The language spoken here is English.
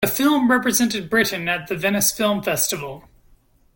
The film represented Britain at the Venice Film Festival.